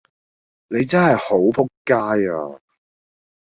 你真係好仆街呀